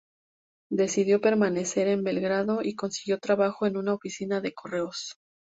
Decidió permanecer en Belgrado y consiguió trabajo en una oficina de correos.